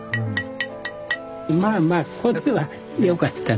まあまあこっちはよかったね。